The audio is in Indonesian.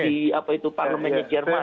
di apa itu parlemennya jerman